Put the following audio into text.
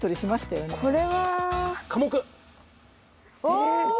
正解！